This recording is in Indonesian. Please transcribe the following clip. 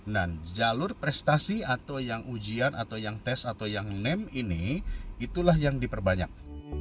nah jalur prestasi atau yang ujian atau yang tes atau yang name ini itulah yang diperbanyak